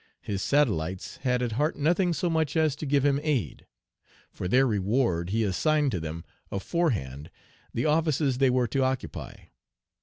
His satellites had at heart nothing so much as to give him aid. For their reward he assigned to them aforehand the offices they were to occupy.